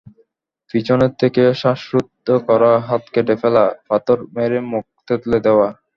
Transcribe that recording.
পিছন থেকে শ্বাসরোধ করা, হাত কেটে ফেলা, পাথর মেরে মুখ থেতলে দেওয়া।